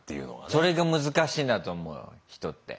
それが難しいなと思う人って。